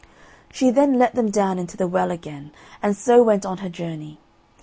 She then let them down into the well again, and so went on her journey.